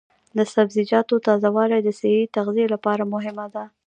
د سبزیجاتو تازه والي د صحي تغذیې لپاره مهمه ده.